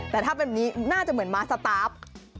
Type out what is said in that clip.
แต่ถ้าเป็นแบบนี้น่าจะเหมือนม้าสตาร์ฟ